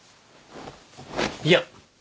いや！